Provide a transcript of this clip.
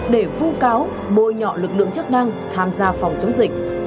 để vu cáo bôi nhọ lực lượng chức năng tham gia phòng chống dịch